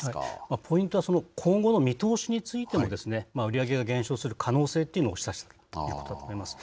ポイントは、今後の見通しについてもですね、売り上げが減少する可能性というのを示唆しているということだと思います。